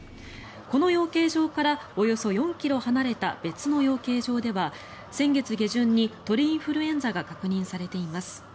この養鶏場からおよそ４ｋｍ離れた別の養鶏場では先月下旬に鳥インフルエンザが確認されています。